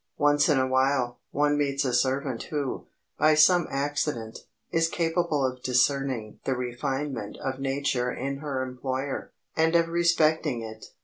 Once in a while, one meets a servant who, by some accident, is capable of discerning the refinement of nature in her employer, and of respecting it.